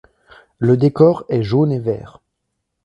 Le décor est jaune et vert.